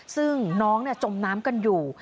ซึ่งน้องจมน้ำกันอยู่